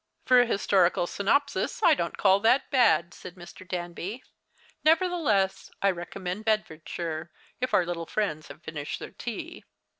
" For a historical synopsis I don't call that bad," said Mr. Danby ;" nevertheless I recommend Bedfordshire if our little friends have finished their tea."